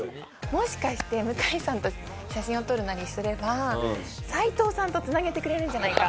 もしかして向井さんと写真を撮るなりすれば斉藤さんと繋げてくれるんじゃないか。